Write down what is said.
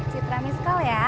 citra miskel ya